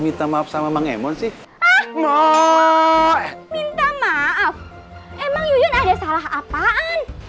minta maaf sama emang emon sih ah no minta maaf emang ada salah apaan